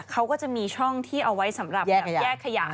เขาก็จะมีช่องที่เอาไว้สำหรับแยกขยะให้เราเหมือนกันนะ